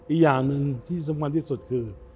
อีกอย่างนึงที่สมควรที่สุดคือ